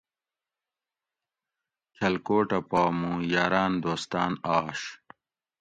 کھلکوٹہ پا مُوں یاٞراٞن دوستاٞن آش